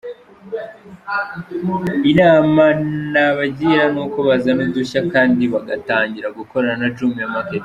A: Inama nabagira nuko bazana udushya kdi bagatangira gukorana na Jumia Market.